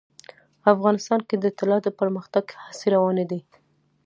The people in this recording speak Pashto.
افغانستان کې د طلا د پرمختګ هڅې روانې دي.